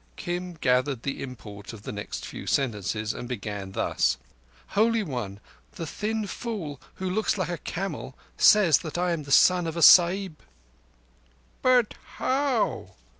Kim gathered the import of the next few sentences and began thus: "Holy One, the thin fool who looks like a camel says that I am the son of a Sahib." "But how?"